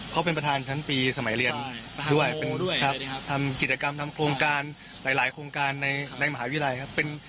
เขาเป็นประธานชั้นปีสมัยเรียนด้วยครับทำกิจกรรมทำโครงการหลายโครงการในมหาวิทยาลัยครับ